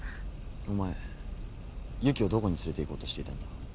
お前由岐をどこに連れていこうとしていたんだ？